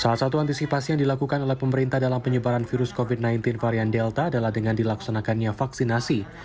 salah satu antisipasi yang dilakukan oleh pemerintah dalam penyebaran virus covid sembilan belas varian delta adalah dengan dilaksanakannya vaksinasi